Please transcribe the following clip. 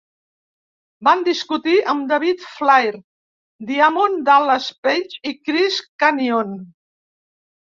Van discutir amb David Flair, Diamond Dallas Page i Chris Kanyon.